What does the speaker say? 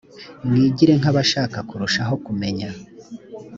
mwigire nkabashaka kurushaho kumenya.